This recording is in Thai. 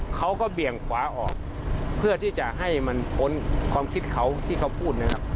เบี่ยงขวาออกเพื่อที่จะให้มันพ้นความคิดเขาที่เขาพูดนะครับ